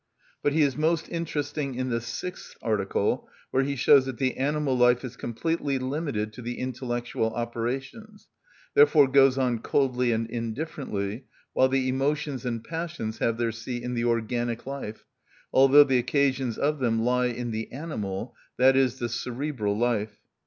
But he is most interesting in the sixth article, where he shows that the animal life is completely limited to the intellectual operations, therefore goes on coldly and indifferently, while the emotions and passions have their seat in the organic life, although the occasions of them lie in the animal, i.e., the cerebral, life.